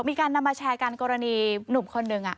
มีการนำมาแชร์กันกรณีหนุ่มคนหนึ่ง